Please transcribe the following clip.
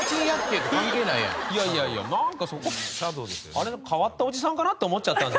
あれで変わったおじさんかなって思っちゃったんですなんか。